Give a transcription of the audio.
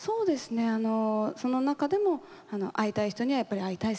その中でも会いたい人にはやっぱり会いたい。